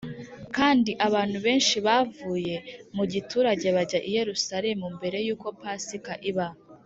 kandi abantu benshi bavuye mu giturage bajya i yerusalemu mbere y uko pasika iba